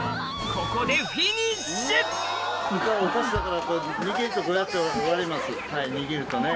ここでフィニッシュ握るとね。